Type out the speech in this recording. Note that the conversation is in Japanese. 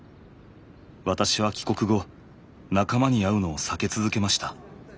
私は帰国後仲間に会うのを避け続けました。